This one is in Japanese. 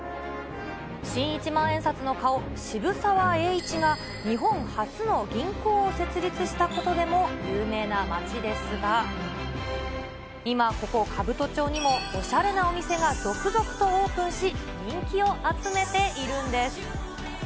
新一万円札の顔、渋沢栄一が日本初の銀行を設立したことでも有名な街ですが、今、ここ、兜町にもおしゃれなお店が続々とオープンし、人気を集めているんです。